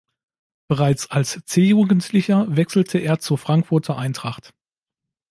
Bereits als C-Jugendlicher wechselte er zur Frankfurter Eintracht.